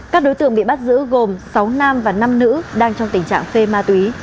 các đối tượng bị bắt giữ gồm sáu nam và năm nữ đang trong tình trạng phê ma túy